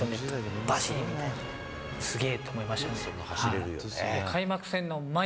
すげえ！って思いましたね。